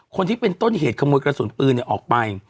คนที่เป็นต้นเหตุขโมยกระสุนปืนออกไป